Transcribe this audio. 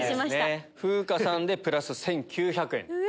風花さんでプラス１９００円。